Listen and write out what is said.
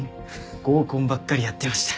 合コンばっかりやってました。